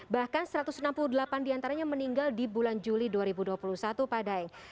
bahkan satu ratus enam puluh delapan diantaranya meninggal di bulan juli dua ribu dua puluh satu pak daeng